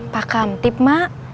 pak kamtip mak